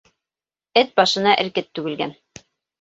Эт башына эркет түгелгән.